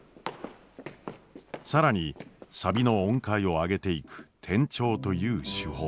更にサビの音階を上げていく転調という手法。